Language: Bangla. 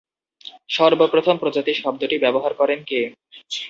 সর্বপ্রথম প্রজাতি শব্দটি ব্যবহার করেন কে?